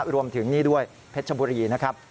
รวมถึงนี่ด้วยเพชรชบุรีนะครับ